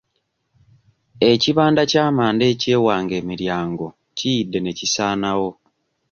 Ekibanda ky'amanda eky'ewange emiryango kiyidde ne kisaanawo.